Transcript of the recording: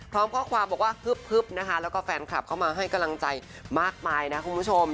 พร้อมข้อความบอกว่าฮึบนะคะแล้วก็แฟนคลับเข้ามาให้กำลังใจมากมายนะคุณผู้ชม